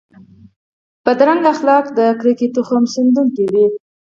بدرنګه اخلاق د کرکې تخم شندونکي وي